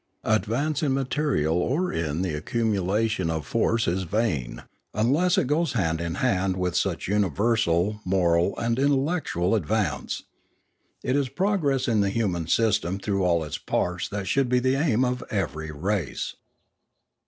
Advance in material or in the accumu lation of force is vain, unless it goes hand in hand with such universal moral and intellectual advance. It is 506 Limanora progress in the human system through all its parts that should be the aim of every race.